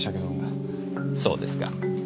そうですか。